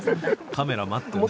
カメラ待ってた。